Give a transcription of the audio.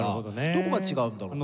どこが違うんだろうか？